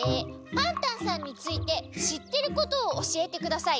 「パンタンさんについてしってることをおしえてください」。